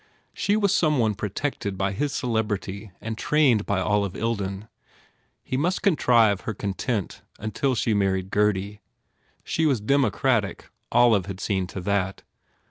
She was some one pro tected by his celebrity and trained by Olive Ilden. He must contrive her content until she married Gurdy. She was democratic Olive had seen to that.